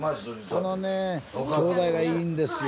このね兄妹がいいんですよ。